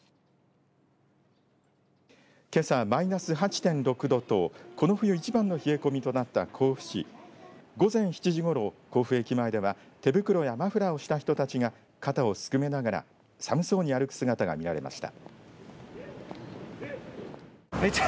けさ、マイナス８．６度とこの冬一番の冷え込みとなった甲府市午前７時ごろ、甲府駅前では手袋やマフラーをした人たちが肩をすくめながら寒そうに歩く姿が見られました。